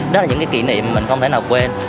đó là những cái kỷ niệm mình không thể nào quên